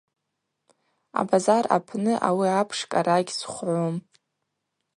Абазар апны ауи апш кӏара гьсхвгӏум.